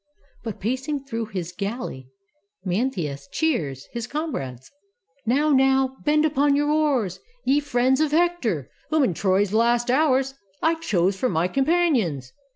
But pacing through his galley, Mnestheus cheers His comrades: "Now, now bend upon your oars, Ye friends of Hector, whom in Troy's last hours I chose for my companions!